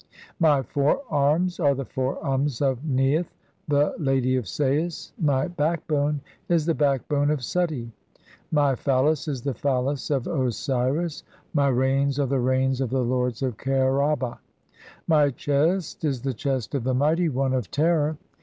My fore arms are the fore arms of Neith, the "Lady of Sais. My backbone is (8) the backbone of Suti. My "phallus is the phallus of Osiris. My reins are the reins of the "Lords of Kher aba. My chest is the chest of the Mighty one "of Terror.